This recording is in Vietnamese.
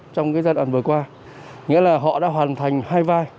trong giai đoạn vừa qua nghĩa là họ đã hoàn thành hai vai